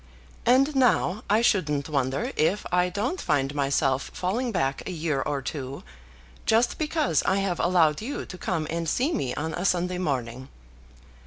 And now I shouldn't wonder if I don't find myself falling back a year or two, just because I have allowed you to come and see me on a Sunday morning.